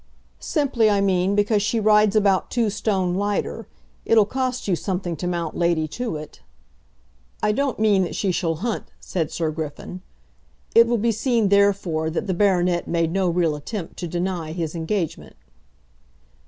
"Simply, I mean, because she rides about two stone lighter. It'll cost you something to mount Lady Tewett." "I don't mean that she shall hunt," said Sir Griffin. It will be seen, therefore, that the baronet made no real attempt to deny his engagement.